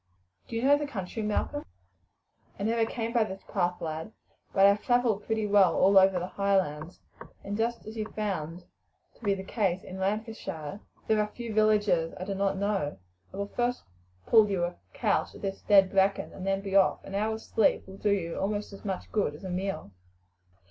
"Do you know the country, Malcolm?" "I never came by this path, lad; but I have travelled pretty well all over the Highlands, and, just as you found to be the case in Lancashire, there are few villages I do not know. I will first pull you a couch of this dead bracken, and then be off; an hour's sleep will do you almost as much good as a meal."